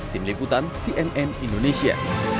tim liputan cnn indonesia